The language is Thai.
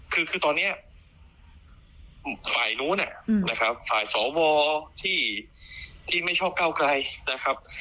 คือคือตอนนี้ฝ่ายนู้นนะครับฝ่ายสวที่ไม่ชอบก้าวไกลนะครับ